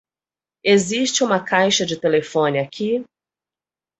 Existe uma caixa de telefone aqui?